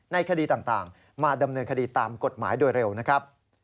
คดีต่างมาดำเนินคดีตามกฎหมายโดยเร็วนะครับ